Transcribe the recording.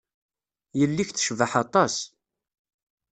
Yelli-k tecbeḥ aṭas.